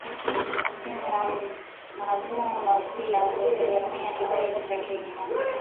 msimu wa mavuno pia hutegemea kipindi cha kilimo